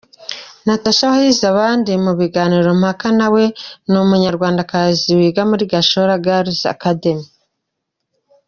Nathasha wahize abandi mu biganiro mpaka nawe ni umunyarwandakazi wiga muri Gashora Girls Academy.